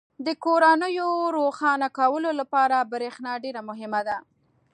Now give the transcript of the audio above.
• د کورونو روښانه کولو لپاره برېښنا ډېره مهمه ده.